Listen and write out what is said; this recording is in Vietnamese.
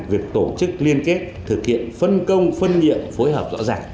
việc tổ chức liên kết thực hiện phân công phân nhiệm phối hợp rõ ràng